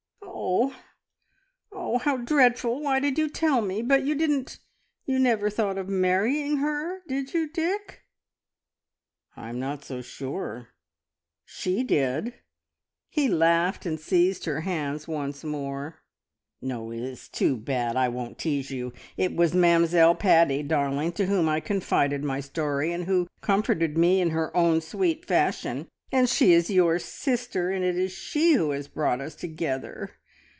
"Oh! oh! How dreadful! Why did you tell me? But you didn't you never thought of marrying her, did you, Dick?" "I'm not so sure. She did!" He laughed, and seized her hands once more. "No, it is too bad! I won't tease you. It was Mamzelle Paddy, darling, to whom I confided my story, and who comforted me in her own sweet fashion. And she is your sister, and it is she who has brought us together!